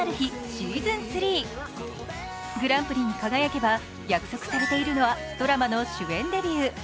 ｓｅａｓｏｎ３グランプリに輝けば約束されているのはドラマの主演デビュー。